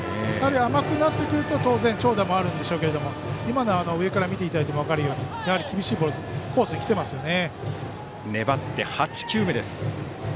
甘くなってくると当然長打もあるでしょうけど今のは上から見ていただいても分かるように厳しいコースに来てますよね。